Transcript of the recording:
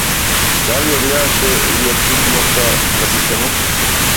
Дали ја гледате ли апсурдноста на системот?